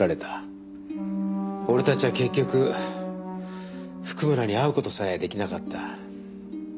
俺たちは結局譜久村に会う事さえ出来なかった。